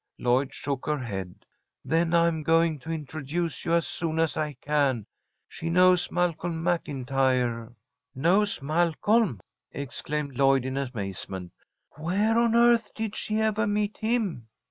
Lloyd shook her head. "Then I'm going to introduce you as soon as I can. She knows Malcolm MacIntyre." "Knows Malcolm!" exclaimed Lloyd, in amazement. "Where on earth did she ever meet him?"